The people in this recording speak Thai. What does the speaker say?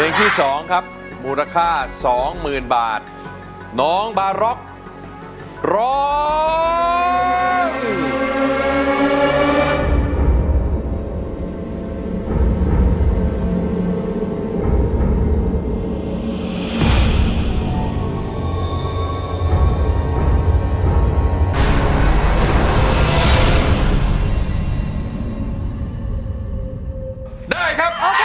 ที่สองครับมูลค่าสองหมื่นบาทน้องบาร็อกร้อง